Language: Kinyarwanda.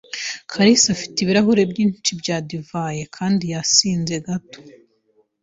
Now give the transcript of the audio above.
kalisa afite ibirahure byinshi bya divayi kandi yasinze gato